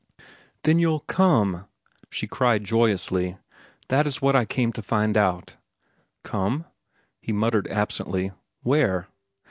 "Then you'll come!" she cried joyously. "That was what I came to find out." "Come?" he muttered absently. "Where?"